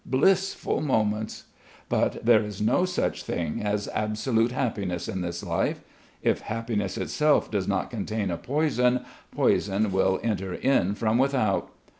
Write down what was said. Blissful moments! But there is no such thing as absolute happiness in this life. If happiness itself does not contain a poison, poison will enter in from without.